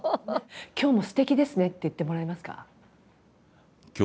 「今日もすてきですね」って言ってもらえますか？